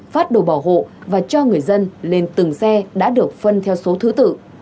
phát đồ bảo hộ và cho người dân lên từng xe đã được phân theo số thứ tự